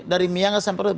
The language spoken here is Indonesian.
dari myangas sampai merauke